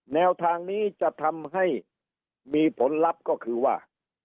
แนวทางนี้จะทำให้มีผลลัพธ์ก็คือว่า